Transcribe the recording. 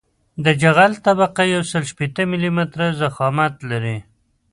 د جغل طبقه یوسل شپیته ملي متره ضخامت لري